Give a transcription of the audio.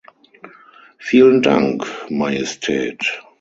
Vielen Dank, Majestät.